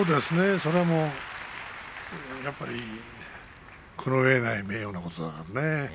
それはやっぱりこのうえない名誉なことだもんね